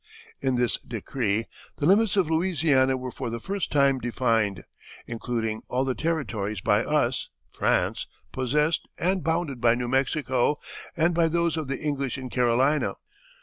In this decree the limits of Louisiana were for the first time defined, including "all the territories by us (France) possessed, and bounded by New Mexico and by those of the English in Carolina....